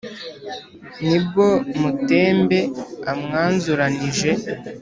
Ni bwo Mutembe amwanzuranije,